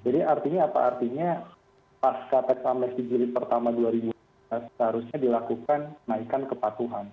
jadi apa artinya pasca tax amnesty gilid pertama dua ribu dua puluh seharusnya dilakukan naikan kepatuhan